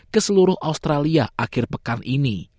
keseluruh australia akhir pekan ini